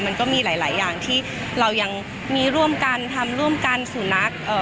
มันก็มีหลายหลายอย่างที่เรายังมีร่วมกันทำร่วมกันสู่นักเอ่อ